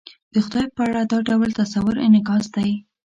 د خدای په اړه دا ډول تصور انعکاس دی.